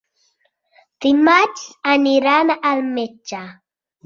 Dimarts aniran al metge.